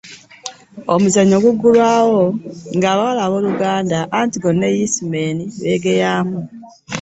Omuzannyo guggulwawo ng’abawala abooluganda Antigone ne Yisimeeni beegeyaamu.